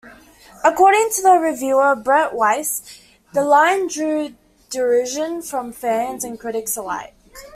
According to reviewer Brett Weiss, the line "drew derision from fans and critics alike".